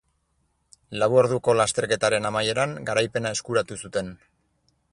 Lau orduko lasterketaren amaieran, garaipena eskuratu zuten.